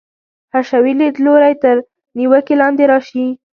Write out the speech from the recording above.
حشوي لیدلوری تر نیوکې لاندې راشي.